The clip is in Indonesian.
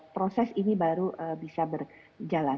proses ini baru bisa berjalan